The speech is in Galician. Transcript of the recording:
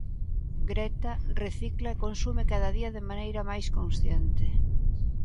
Greta recicla e consume cada día de maneira máis consciente.